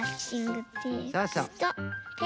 そうそう。